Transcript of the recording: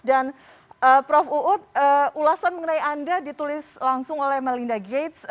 dan prof uud ulasan mengenai anda ditulis langsung oleh melinda gates